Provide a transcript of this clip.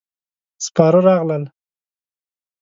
سپاره راغلل.